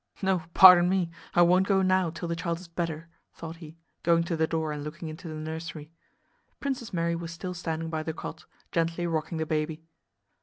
"No, pardon me, I won't go now till the child is better," thought he, going to the door and looking into the nursery. Princess Mary was still standing by the cot, gently rocking the baby.